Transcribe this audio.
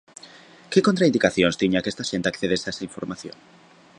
¿Que contraindicacións tiña que esta xente accedese a esa información?